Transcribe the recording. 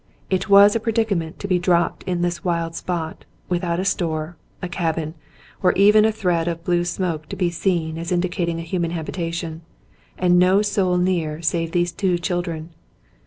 It was a predica ment to be dropped in this wild spot, without a store, a cabin, or even a thread of blue smoke to be seen as in dicating a human habitation, and no soul near save these two children.